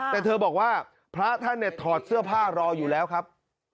แต่เธอบอกว่าพระท่านเนี่ยถอดเสื้อผ้ารออยู่แล้วครับ